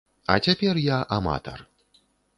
А цяпер я аматар.